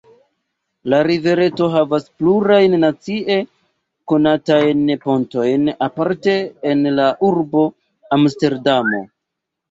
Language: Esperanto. La rivereto havas plurajn nacie konatajn pontojn, aparte en la urbo Amsterdamo.